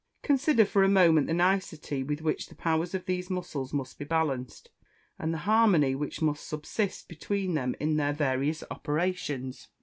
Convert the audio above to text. Consider for a moment the nicety with which the powers of these muscles must be balanced, and the harmony which must subsist between them in their various operations.